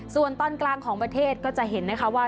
ส่วนตอนกลางของประเทศก็จะเห็นนะคะว่า